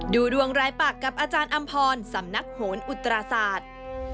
ดูดวงรายปากกับอาจารย์อำพรสำนักโหนอุตราศาสตร์